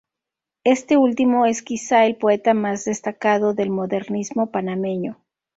Este último es quizá el poeta más destacado del Modernismo panameño.